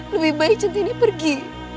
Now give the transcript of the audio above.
lebih baik centini pergi